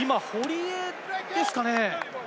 今、堀江ですかね。